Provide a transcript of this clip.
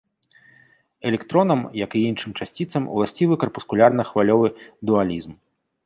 Электронам, як і іншым часціцам, уласцівы карпускулярна-хвалевы дуалізм.